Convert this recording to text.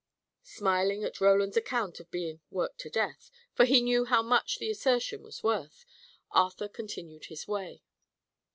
Smiling at Roland's account of being "worked to death," for he knew how much the assertion was worth, Arthur continued his way.